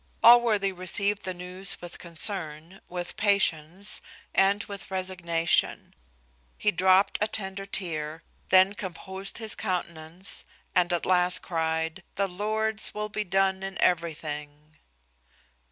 Allworthy received the news with concern, with patience, and with resignation. He dropt a tender tear, then composed his countenance, and at last cried, "The Lord's will be done in everything."